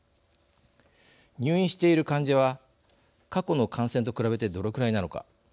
入院している患者は過去の感染と比べてどのくらいなのか。